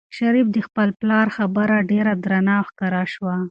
شریف ته د خپل پلار خبره ډېره درنه ښکاره شوه.